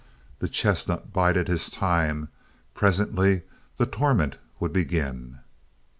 The chestnut bided his time; presently the torment would begin.